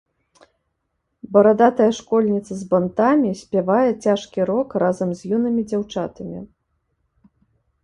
Барадатая школьніца з бантамі спявае цяжкі рок разам з юнымі дзяўчатамі.